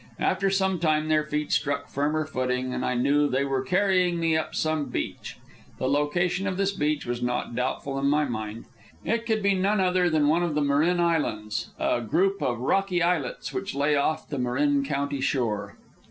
After some time their feet struck firmer footing, and I knew they were carrying me up some beach. The location of this beach was not doubtful in my mind. It could be none other than one of the Marin Islands, a group of rocky islets which lay off the Marin County shore.